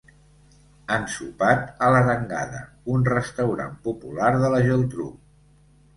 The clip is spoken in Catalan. Han sopat a l'Arengada, un restaurant popular de la Geltrú.